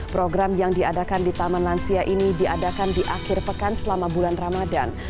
program yang diadakan di taman lansia ini diadakan di akhir pekan selama bulan ramadan